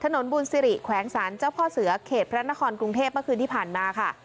ถนนบุญสิริแขวงศาลเจ้าพ่อเสือเขตพระนครกรุงเทพเมื่อคืนที่ผ่านมาค่ะ